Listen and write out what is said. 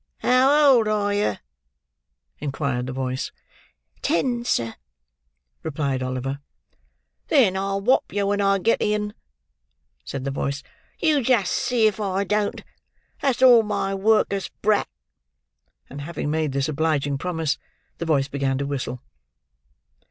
"How old are yer?" inquired the voice. "Ten, sir," replied Oliver. "Then I'll whop yer when I get in," said the voice; "you just see if I don't, that's all, my work'us brat!" and having made this obliging promise, the voice began to whistle.